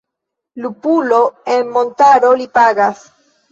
Lupulo en montaro Li pagas!